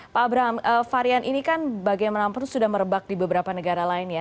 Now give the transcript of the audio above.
pak abraham varian ini kan bagaimanapun sudah merebak di beberapa negara lain ya